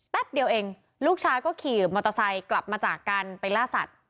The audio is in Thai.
เดียวเองลูกชายก็ขี่มอเตอร์ไซค์กลับมาจากการไปล่าสัตว